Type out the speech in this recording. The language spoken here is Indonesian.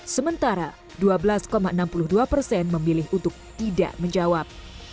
sementara dua belas enam puluh dua persen memilih untuk tidak menjawab